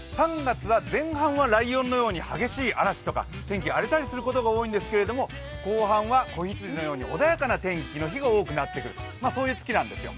３月は前半はライオンのように激しい嵐とか天気が荒れたりすることがあるんですけど後半は子羊のように穏やかな天気の日が多くなってくるという。